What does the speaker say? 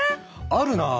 あるなあ。